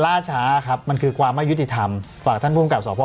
ล่าช้าครับมันคือความไม่ยุติธรรมฝากท่านภูมิกับสพ